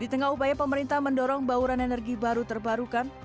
di tengah upaya pemerintah mendorong bauran energi baru terbarukan